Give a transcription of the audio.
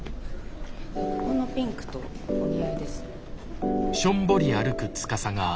このピンクとお似合いです。